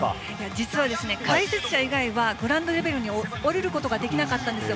実は、解説者以外は、グラウンドレベルに下りることができなかったんですよ。